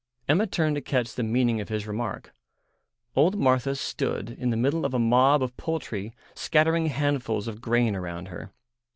Emma turned to catch the meaning of his remark. Old Martha stood in the middle of a mob of poultry scattering handfuls of grain around her.